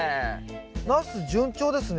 ナス順調ですね。